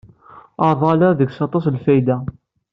Areḍḍal-a deg-s aṭas n lfayda.